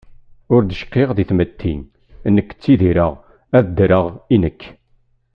Ur d cqiɣ di tmetti, nekk ttidireɣ ad ddreɣ i nekk.